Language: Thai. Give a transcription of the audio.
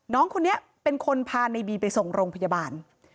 น้องคนนี้เป็นคนพาในบีไปส่งโรงพยาบาล